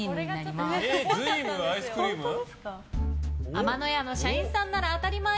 天乃屋の社員さんなら当たり前？